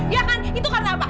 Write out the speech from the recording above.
ya kan itu karena apa